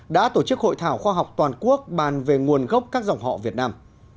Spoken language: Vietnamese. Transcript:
đã tổ chức hội thảo khoa học toàn quốc bàn về nguồn gốc các dòng họ việt nam